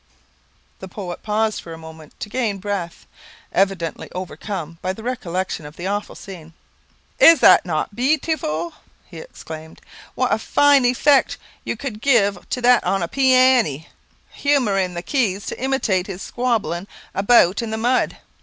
The poet paused for a moment to gain breath, evidently overcome by the recollection of the awful scene. "Is not that bee u tiful?" he exclaimed. "What a fine effect you could give to that on the pee a ne, humouring the keys to imitate his squabbling about in the mud.